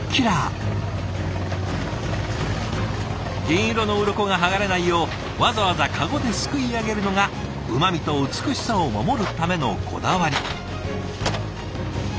銀色のうろこが剥がれないようわざわざ籠ですくい上げるのがうまみと美しさを守るためのこだわり。